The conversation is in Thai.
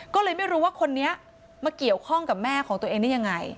ก็เลยไม่รู้ว่าคนนี้มาเกี่ยวข้องกับแม่ของตัวเองได้ยังไง